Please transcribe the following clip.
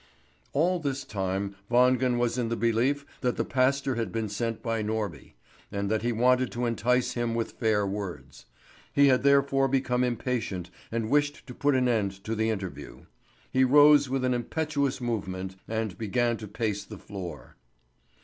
All this time Wangen was in the belief that the pastor had been sent by Norby, and that he wanted to entice him with fair words. He had therefore become impatient and wished to put an end to the interview. He rose with an impetuous movement, and began to pace the floor.